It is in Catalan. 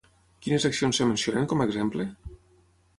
Quines accions es mencionen com a exemple?